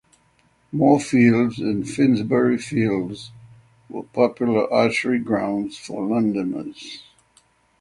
Moorfields and Finsbury Fields were popular archery grounds for Londoners.